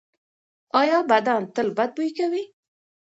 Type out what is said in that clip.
ایا بدن تل بد بوی کوي؟